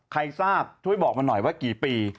ใครทราบช่วยบอกมาหน่อยว่ากี่ปี